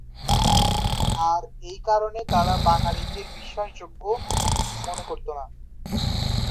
আর এই কারণে তারা বাঙালিদের বিশ্বাসযোগ্য মনে করতো না।